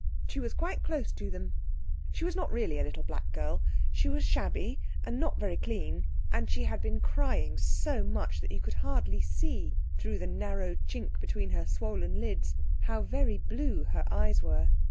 She was quite close to them. She was not really a little black girl. She was shabby and not very clean, and she had been crying so much that you could hardly see, through the narrow chink between her swollen lids, how very blue her eyes were.